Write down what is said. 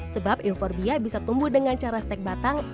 sebab euforbia bisa tumbuh dengan cara stek batang